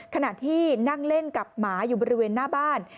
ขณะที่นั่งเล่นกับหมาอยู่บริเวณหน้าบ้าน